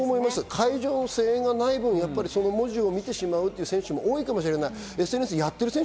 会場の声援がない分、文字を見てしまうという選手も多いかもしれない。